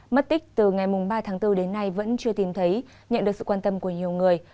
mất tích từ ngày ba tháng bốn đến nay vẫn chưa tìm thấy nhận được sự quan tâm của nhiều người